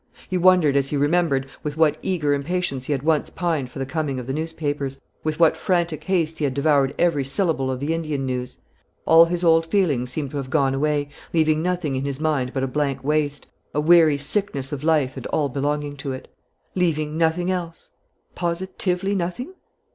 He wondered as he remembered with what eager impatience he had once pined for the coming of the newspapers, with what frantic haste he had devoured every syllable of the Indian news. All his old feelings seemed to have gone away, leaving nothing in his mind but a blank waste, a weary sickness of life and all belonging to it. Leaving nothing else positively nothing?